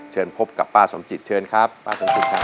เชิญพบกับป้าสมจิตเชิญครับป้าสมจิตครับ